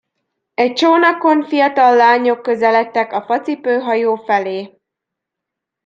Egy csónakon fiatal lányok közeledtek a facipő hajó felé.